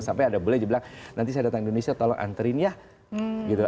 sampai ada bule aja bilang nanti saya datang indonesia tolong anterin ya gitu